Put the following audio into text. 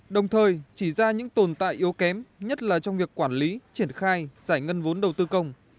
đồng thời chỉ ra những tồn tại yếu kém nhất là trong việc quản lý triển khai giải ngân vốn đầu tư công